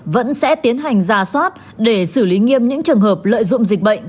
vẫn sẽ tiến hành ra soát để xử lý nghiêm những trường hợp lợi dụng dịch bệnh